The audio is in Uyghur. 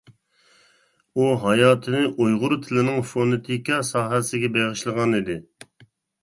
ئۇ ھاياتىنى ئۇيغۇر تىلىنىڭ فونېتىكا ساھەسىگە بېغىشلىغان ئىدى.